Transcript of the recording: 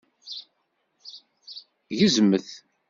Gezmet!